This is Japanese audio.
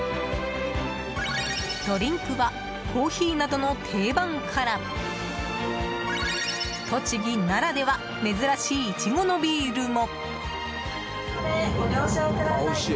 ドリンクはコーヒーなどの定番から栃木ならでは珍しいイチゴのビールも。